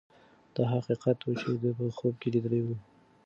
دا هغه حقیقت و چې ده په خوب کې لیدلی و.